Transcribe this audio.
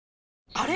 あれ？